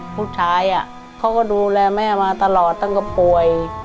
ผู้ชายเขาก็ดูแลแม่มาตลอดตั้งแต่ป่วย